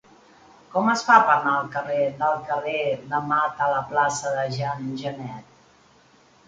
Com es fa per anar del carrer de Mata a la plaça de Jean Genet?